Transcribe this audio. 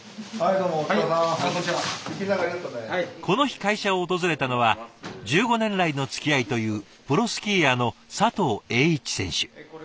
この日会社を訪れたのは１５年来のつきあいというプロスキーヤーの佐藤栄一選手。